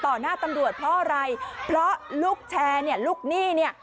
หน้าตำรวจเพราะอะไรเพราะลูกแชร์เนี่ยลูกหนี้เนี่ย